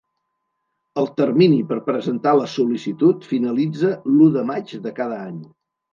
El termini per presentar la sol·licitud finalitza l'u de maig de cada any.